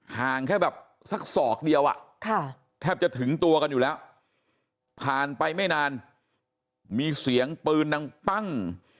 ห่างแค่แบบสักศอกเดียวแทบจะถึงตัวกันอยู่แล้วผ่านไปไม่นานมีเสียงปืนดังปั้ง